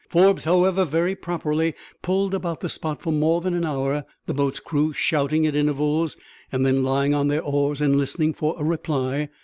Forbes, however, very properly pulled about the spot for more than an hour, the boat's crew shouting at intervals, and then lying on their oars and listening for a reply.